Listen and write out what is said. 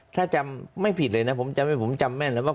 ถ้าจำไม่ผิดเลยนะผมจำให้ผมจำแม่นเลยว่า